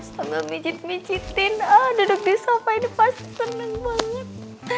sambil micit micitin ah duduk di sofa ini pasti seneng banget